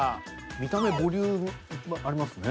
見た目ボリュームありますね。